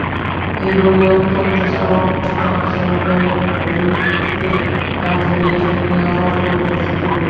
এই বলিয়া অত্যন্ত সাড়ম্বর তান-সহকারে ভৈরবীতে গান ধরিলেন– তুমি আমায় করবে মস্ত লোক!